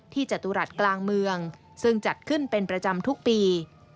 จตุรัสกลางเมืองซึ่งจัดขึ้นเป็นประจำทุกปี